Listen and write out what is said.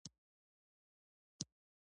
وخت مه ضایع کوئ